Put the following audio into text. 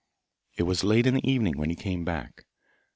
It was late in the evening when he came back.